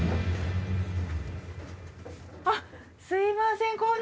あっすいません。